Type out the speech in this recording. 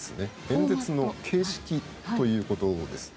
演説の形式ということです。